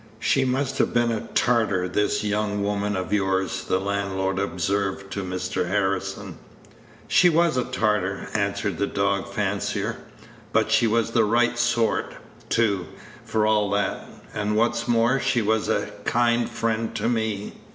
"She must have been a tartar, this young woman of yours," the landlord observed to Mr. Harrison. "She was a tartar," answered the dog fancier; "but she was the right sort, too, for all that; and, what's more, she was a kind friend to me.